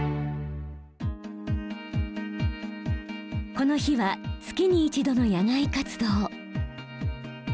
この日は月に一度の野外活動。